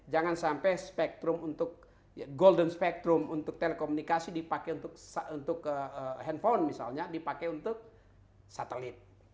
jangan sampai golden spectrum untuk telekomunikasi dipakai untuk handphone misalnya dipakai untuk satelit